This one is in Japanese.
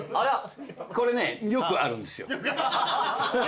これねよくあるんですよ。